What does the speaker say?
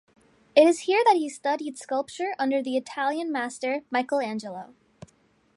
It is here that he studied sculpture under the Italian master, Michelangelo.